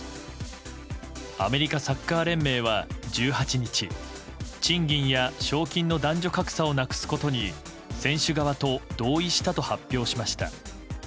アメリカサッカー連盟は、１８日賃金や賞金の男女格差をなくすことに選手側と同意したと発表しました。